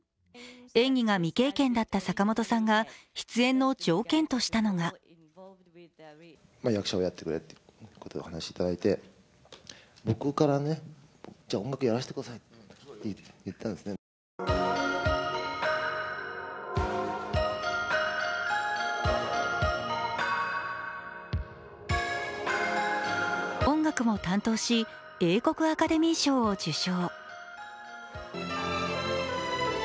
演技が未経験だった坂本さんが出演の条件としたのが音楽も担当し、英国アカデミー賞を受賞。